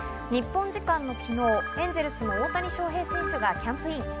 日本時間の昨日、エンゼルスの大谷翔平選手がキャンプイン。